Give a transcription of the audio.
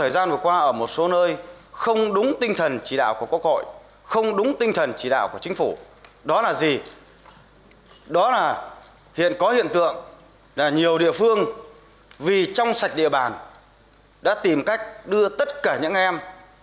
đó là gì đó là hiện có hiện tượng là nhiều địa phương vì trong sạch địa bàn đã tìm cách đưa tất cả những em